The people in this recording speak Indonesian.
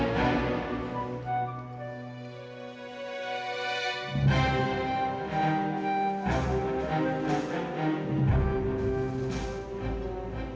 terlalu lama ibu anak ibu bisu dagu